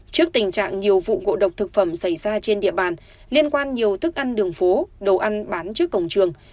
trước tình trạng nhiều vụ ngộ độc thực phẩm xảy ra trên địa bàn liên quan nhiều thức ăn đường phố đồ ăn bán trước cổng trường